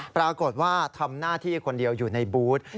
ปรากฏว่าทำหน้าที่คนเดียวอยู่ในบูธ